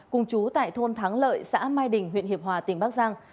cùng chú tại thôn thắng lợi xã mai đình huyện hiệp hòa tỉnh bắc giang